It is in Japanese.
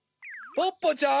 ポッポちゃん